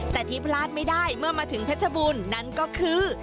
แต่ที่พลาดไม่ได้เมื่อมาถึงเพชรบูรณ์นั่นก็คือ